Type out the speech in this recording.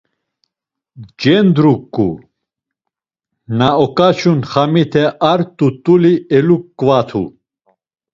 Cendruǩu, na oǩaçun xamite ar t̆ut̆uli eluǩvatu.